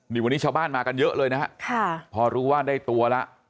นี่วันนี้ชาวบ้านมากันเยอะเลยนะฮะพอรู้ว่าได้ตัวแล้ว